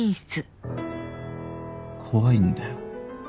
怖いんだよ。